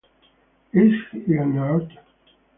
Is he a nerd?